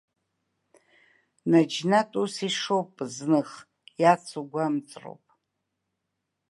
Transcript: Наџьнатә ус ишоуп, зных, иацу гәамҵроуп.